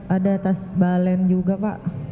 ada tas balen juga pak